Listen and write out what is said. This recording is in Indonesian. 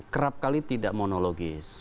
kerap kali tidak monologis